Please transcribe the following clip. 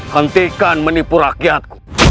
hentikan menipu rakyat